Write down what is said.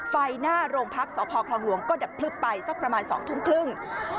ไฟหน้าโรงพักษพคลองหลวงก็ดับพลึบไปสักประมาณ๒ทุ่มครึ่ง